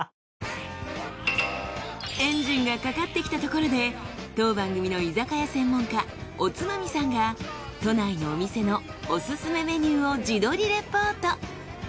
エンジンがかかってきたところで当番組の居酒屋専門家おつまみさんが都内のお店のオススメメニューを自撮りレポート。